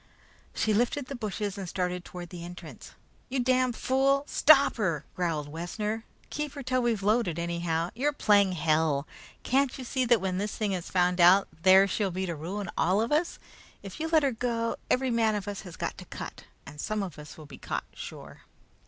She lifted the bushes and started toward the entrance. "You damned fool! Stop her!" growled Wessner. "Keep her till we're loaded, anyhow. You're playing hell! Can't you see that when this thing is found out, there she'll be to ruin all of us. If you let her go, every man of us has got to cut, and some of us will be caught sure."